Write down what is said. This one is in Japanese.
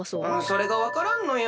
それがわからんのよ。